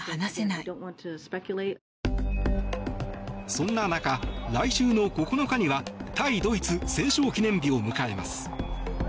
そんな中、来週の９日には対ドイツ戦勝記念日を迎えます。